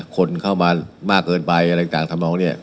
คนเข้ามามากเกินไปอะไรต่างทำนองเนี่ย